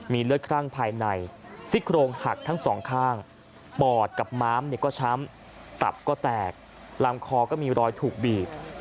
เลือดคลั่งภายในซิกโครงหักทั้งสองข้างปอดกับม้ามก็ช้ำตับก็แตกลำคอก็มีรอยถูกบีบ